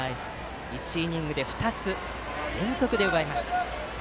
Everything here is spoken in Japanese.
１イニングで２つ連続で奪いました。